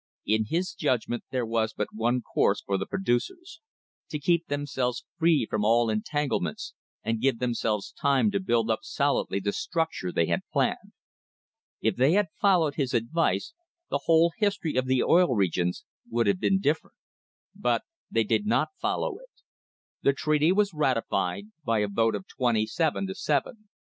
In his judgment there was but one course for the producers — to keep themselves free from all entanglements and give themselves time to build up solidly the structure they had planned. If they had followed his advice the whole his tory of the Oil Regions would have been different. But they did not follow it. The treaty was ratified by a vote of twenty seven to seven.